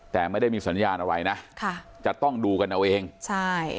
แต่ไม่ได้มีสัญญาณอะไรนะค่ะจะต้องดูกันเอาเองใช่